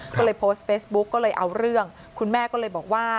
ก็เลยโพสต์เฟซบุ๊กก็เลยเอาเรื่องคุณแม่ก็เลยบอกว่า